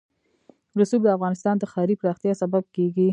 رسوب د افغانستان د ښاري پراختیا سبب کېږي.